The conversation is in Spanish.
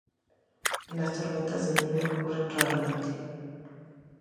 Las tormentas de nieve ocurren raramente.